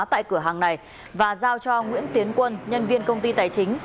tại cửa hàng này và giao cho nguyễn tiến quân nhân viên công ty tài chính